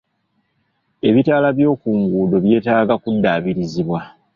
Ebitaala by'oku nguudo byetaaga kuddaabirizibwa.